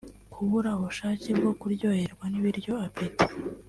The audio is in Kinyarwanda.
Kubura ubushake bwo kuryoherwa n’ibiryo (Appetit)